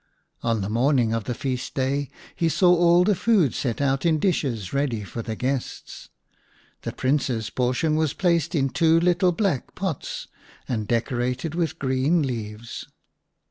On the morning of the feast day he saw all the food set out in dishes ready for the guests. The Prince's portion was placed in two little black pots and decorated with green leaves.